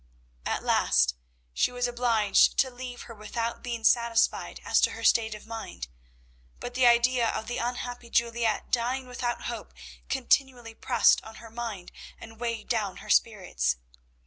At last she was obliged to leave her without being satisfied as to her state of mind, but the idea of the unhappy Juliette dying without hope continually pressed on her mind and weighed down her spirits.